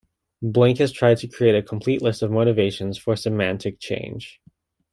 Blank has tried to create a complete list of motivations for semantic change.